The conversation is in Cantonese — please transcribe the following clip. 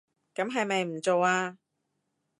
噉係咪唔做吖